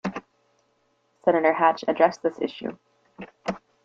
Senator Hatch addressed this issue.